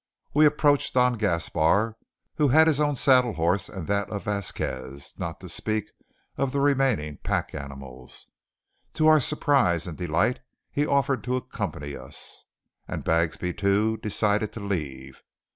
We approached Don Gaspar, who had his own saddle horse and that of Vasquez, not to speak of the remaining pack animals. To our surprise and delight he offered to accompany us; and Bagsby, too, decided to leave.